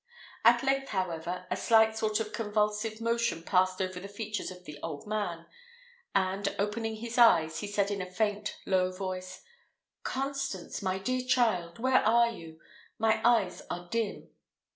At length, however, a slight sort of convulsive motion passed over the features of the old man, and, opening his eyes, he said in a faint, low voice, "Constance, my dear child, where are you? My eyes are dim."